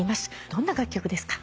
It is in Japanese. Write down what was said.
どんな楽曲ですか？